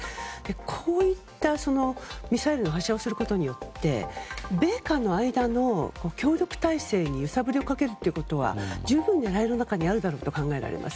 こういったミサイルの発射をすることによって米韓の間の協力体制に揺さぶりをかけるということは十分狙いの中にあるだろうと考えられます。